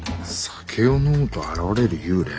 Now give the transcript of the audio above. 酒を飲むと現れる幽霊？